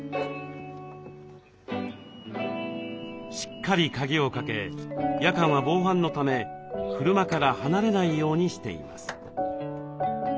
しっかり鍵をかけ夜間は防犯のため車から離れないようにしています。